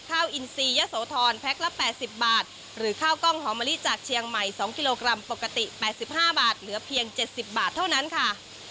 อินซียะโสธรแพ็คละ๘๐บาทหรือข้าวกล้องหอมะลิจากเชียงใหม่๒กิโลกรัมปกติ๘๕บาทเหลือเพียง๗๐บาทเท่านั้นค่ะ